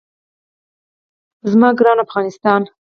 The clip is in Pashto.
زما ګران افغانستان.